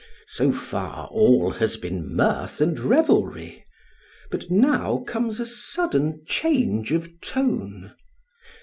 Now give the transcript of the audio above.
So far all has been mirth and revelry; but now comes a sudden change of tone.